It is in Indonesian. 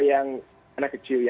apa yang anak kecil kita